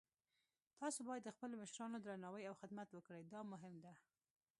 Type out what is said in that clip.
تاسو باید د خپلو مشرانو درناوی او خدمت وکړئ، دا مهم ده